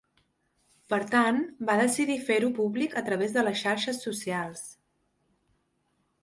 Per tant, va decidir fer-ho públic a través de les xarxes socials.